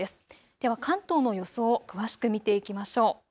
では関東の予想を詳しく見ていきましょう。